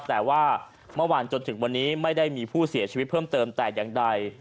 แต่ว่าเมื่อวานจนถึงวันนี้ไม่ได้มีผู้เสียชีวิตเพิ่มเติมแต่อย่างใด